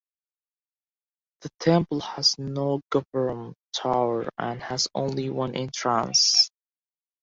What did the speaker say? The temple has no gopuram (tower) and has only one entrance.